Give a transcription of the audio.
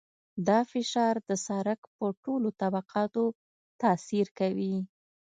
دا فشار د سرک په ټولو طبقاتو تاثیر کوي